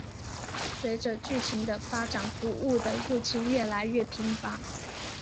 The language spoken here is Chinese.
随着剧情的发展古物的入侵越来越频繁。